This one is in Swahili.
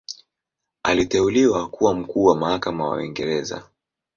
Aliteuliwa kuwa Mkuu wa Mahakama wa Uingereza.